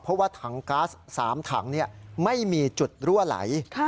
เพราะว่าถังก๊าซ๓ถังไม่มีจุดรั่วไหล